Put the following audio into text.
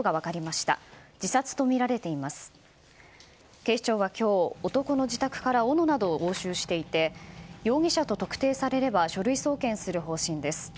警視庁は今日、男の自宅からおのなどを押収していて容疑者と特定されれば書類送検する方針です。